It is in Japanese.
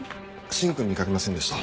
芯君見掛けませんでした？